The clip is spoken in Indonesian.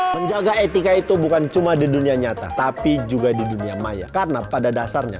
menjaga etika itu bukan cuma di dunia nyata tapi juga di dunia maya karena pada dasarnya